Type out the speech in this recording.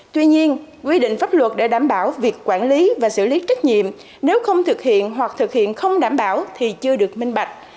tuy nhiên quy định pháp luật để đảm bảo việc quản lý và xử lý trách nhiệm nếu không thực hiện hoặc thực hiện không đảm bảo thì chưa được minh bạch